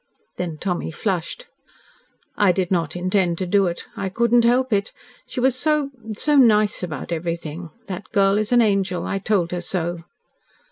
Then Tommy flushed. "I did not intend to do it. I could not help it. She was so so nice about everything. That girl is an angel. I told her so."